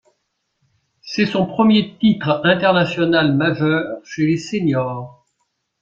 C'est son premier titre international majeur chez les séniors.